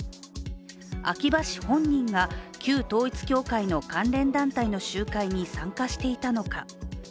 秋葉氏本人が旧統一教会の関連団体の集会に参加していたのか。